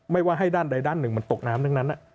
ไม่ว่าให้ด้านใดด้านหนึ่งมันตกน้ำทั้งนั้น